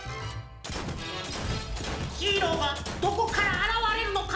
ヒーローがどこからあらわれるのか？